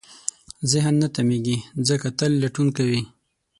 ذهن نه تمېږي، ځکه تل لټون کوي.